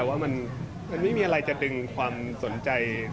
แต่ว่ามันไม่มีอะไรจะดึงความสนใจ